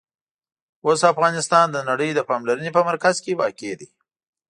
اوس افغانستان د نړۍ د پاملرنې په مرکز کې واقع دی.